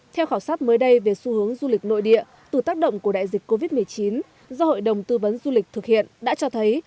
theo khảo sát mới đây về xu hướng du lịch nội địa từ tác động của đại dịch covid một mươi chín do hội đồng tư vấn du lịch thực hiện đã cho thấy